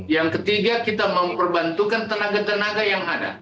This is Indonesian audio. yang ketiga kita memperbantukan tenaga tenaga yang ada